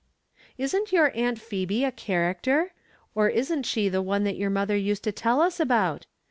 Isn't your Aunt Phebe a character ? or isn't she the one that your mother used to tell us about